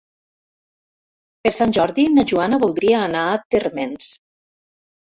Per Sant Jordi na Joana voldria anar a Térmens.